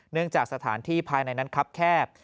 จากสถานที่ภายในนั้นครับแคบ